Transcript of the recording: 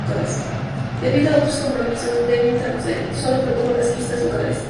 Debido a otros compromisos, Devin Townsend solo produjo las pistas vocales.